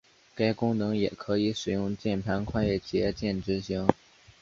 该功能也可以使用键盘快捷键执行。